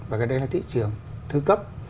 và cái đấy là thị trường sơ cấp